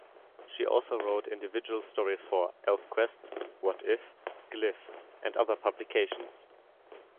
She also wrote individual stories for "Elfquest", "What If", "Glyph" and other publications.